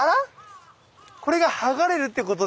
これが剥がれるってことですか？